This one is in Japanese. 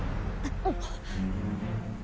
あっ。